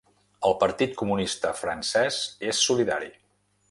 El Partit Comunista francès és solidari